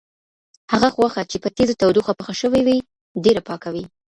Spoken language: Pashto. هغه غوښه چې په تیزه تودوخه پخه شوې وي، ډېره پاکه وي.